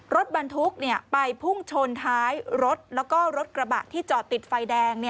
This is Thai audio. รถบรรทุกไปพุ่งชนท้ายรถแล้วก็รถกระบะที่จอดติดไฟแดง